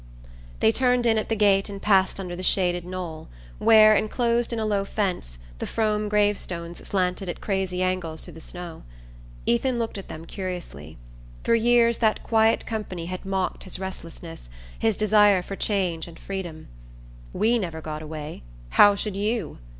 They turned in at the gate and passed under the shaded knoll where, enclosed in a low fence, the Frome grave stones slanted at crazy angles through the snow. Ethan looked at them curiously. For years that quiet company had mocked his restlessness, his desire for change and freedom. "We never got away how should you?"